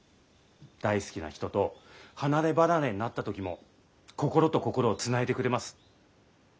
大好きな人と離れ離れになった時も心と心をつないでくれます。